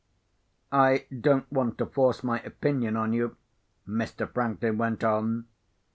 "I don't want to force my opinion on you," Mr. Franklin went on.